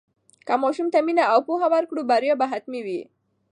که ماشوم ته مینه او پوهه ورکړو، بریا به حتمي وي.